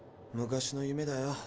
昔の夢だよ。